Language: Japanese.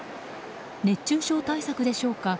熱中症対策でしょうか。